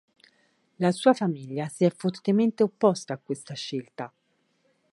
La sua famiglia si è fortemente opposta a questa scelta.